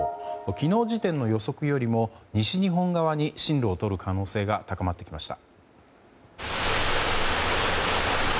昨日時点の予測よりも西日本側に進路をとる可能性が高まってきました。